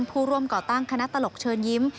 ผู้ร่วมก่อตั้งคณะตลกเชิญยิ้ม